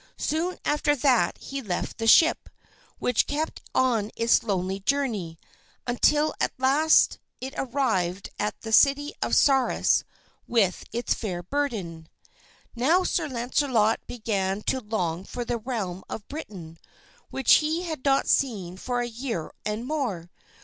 Soon after that he left the ship, which kept on its lonely journey, until at last it arrived at the city of Sarras with its fair burden. Now Sir Launcelot began to long for the realm of Britain which he had not seen for a year and more.